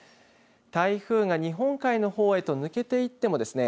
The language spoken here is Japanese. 台風が日本海の方へと抜けていってもですね。